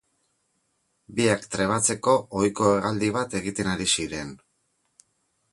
Biak trebatzeko ohiko hegaldi bat egiten ari ziren.